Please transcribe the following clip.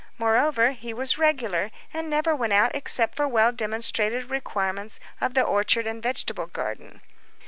Moreover, he was regular, and never went out except for well demonstrated requirements of the orchard and vegetable garden.